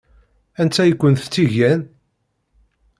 Anta i kent-tt-igan?